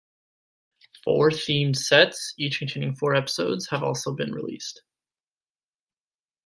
Four themed sets, each containing four episodes, have also been released.